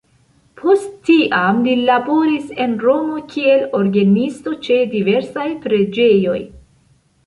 Post tiam li laboris en Romo kiel orgenisto ĉe diversaj preĝejoj.